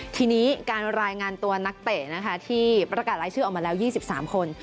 ทีนี้การรายงานตัวนักเตะนะคะที่ประกาศรายชื่อออกมาแล้ว๒๓คน